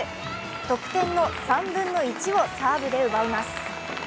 得点の３分の１をサーブで奪います。